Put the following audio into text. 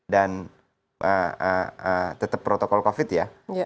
dan tetap protokol covid ya